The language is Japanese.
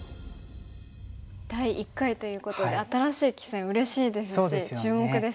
第１回ということで新しい棋戦うれしいですし注目ですね。